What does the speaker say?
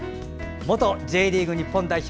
元Ｊリーグ日本代表